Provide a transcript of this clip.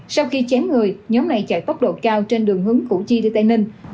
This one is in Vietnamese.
sau khi chém người nhóm này chạy tốc độ cao trên đường hướng củ chi đi tây ninh